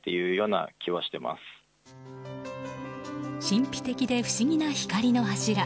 神秘的で不思議な光の柱。